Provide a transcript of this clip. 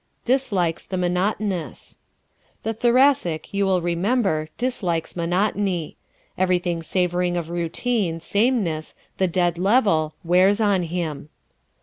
Dislikes the Monotonous ¶ The Thoracic, you will remember, dislikes monotony. Everything savoring of routine, sameness the dead level wears on him.